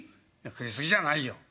「食い過ぎじゃないよ」。